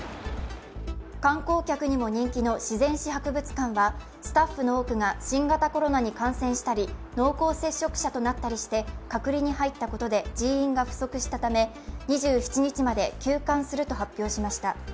観光客にも人気の自然史博物館はスタッフの多くが新型コロナに感染したり濃厚接触者となったりして、隔離に入ったことで人員が不足したため２７日まで休館すると発表しました。